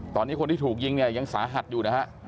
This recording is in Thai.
ตอนนี้ที่ถูกยิงยังสาหัสอยู่นะฮะ